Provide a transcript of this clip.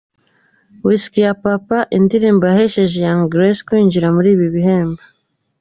Whisky ya Papa, indirimbo yahesheje Young Grace kwinjira muri ibi bihembo.